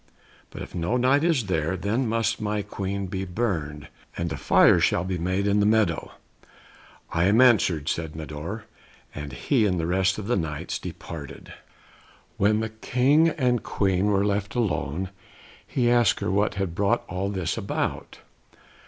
But if no Knight is there, then must my Queen be burned, and a fire shall be made in the meadow." "I am answered," said Sir Mador, and he and the rest of the Knights departed. When the King and Queen were left alone he asked her what had brought all this about.